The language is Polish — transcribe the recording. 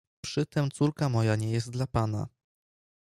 "Przytem córka moja nie jest dla pana."